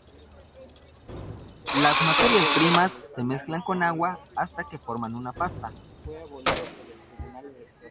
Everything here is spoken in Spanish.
Las materias primas se mezclan con agua hasta que forman una pasta.